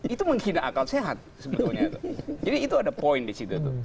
itu menghina akal sehat sebetulnya jadi itu ada poin di situ